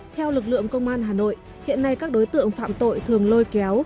theo lực lượng công an hà nội hiện nay các đối tượng phạm tội thường lôi kéo